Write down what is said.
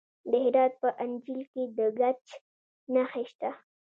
د هرات په انجیل کې د ګچ نښې شته.